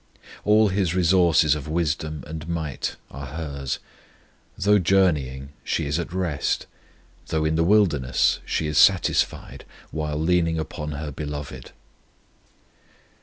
All His resources of wisdom and might are hers; though journeying she is at rest, though in the wilderness she is satisfied, while leaning upon her Beloved.